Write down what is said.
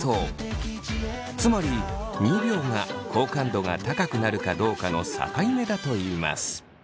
つまり２秒が好感度が高くなるかどうかの境目だといいます。